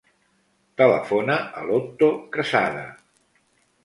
Telefona a l'Otto Quezada.